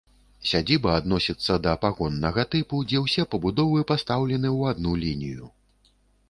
Сядзіба адносіцца да пагоннага тыпу, дзе ўсе пабудовы пастаўлены ў адну лінію.